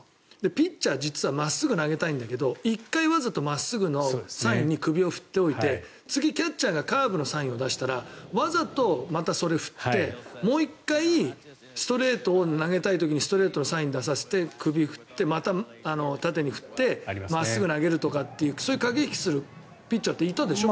ピッチャー、実は真っすぐを投げたいんだけど１回わざと真っすぐのサインに首を振っておいて次、キャッチャーがカーブのサインを出したらわざとまた振ってもう１回ストレートを投げたい時にストレートのサインを出させて首を振って、また縦に振って真っすぐ投げるとかっていうそういう駆け引きをするピッチャーっていたでしょ。